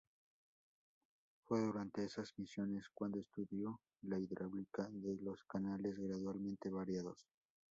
Fue durante esas misiones cuando estudió la hidráulica de los canales gradualmente variados.